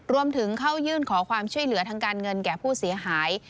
รวมถึงเข้ายื่นขอความช่วยเหลือทางการเงินแก่ผู้เสียหาย